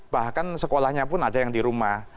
bahkan sekolahnya pun ada yang di rumah